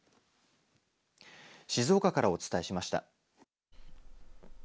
静岡からお伝えしました。